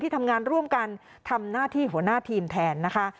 ทำงานร่วมกันทำหน้าที่หัวหน้าทีมแทนนะคะ